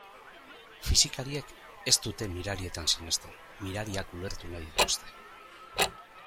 Fisikariek ez dute mirarietan sinesten, mirariak ulertu nahi dituzte.